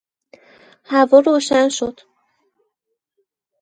توافق خود را مشروط کردن